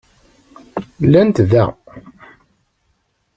Llant da.